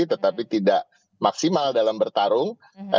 tetapi tidak maksimal dalam bertarung